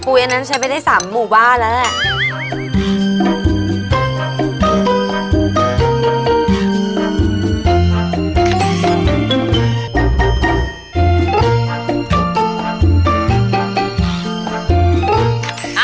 ปุ๋ยอนั้นใช้เป็นให้สามหมูวาแล้วแหละ